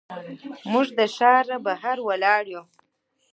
موږ له ښار بهر ولاړ یو.